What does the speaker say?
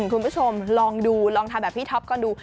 คุณผู้ชมลองดูลองทำแบบพี่ท็อปก่อนดู